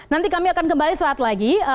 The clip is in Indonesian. nanti kami akan kembali saat lagi